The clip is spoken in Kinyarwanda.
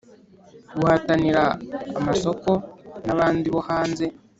guhatanira amasoko n'abandi bo hanze.